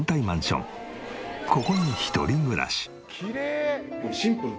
ここに１人暮らし。